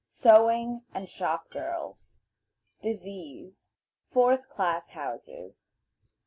Sewing and Shop Girls. Disease. Fourth Class Houses.